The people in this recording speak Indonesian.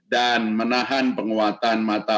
dan menahan penguatan mata obat